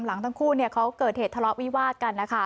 ทั้งคู่เขาเกิดเหตุทะเลาะวิวาดกันนะคะ